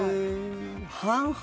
半々。